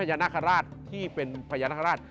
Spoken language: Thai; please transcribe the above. พญานาคาราชที่เป็นพญานาคาราช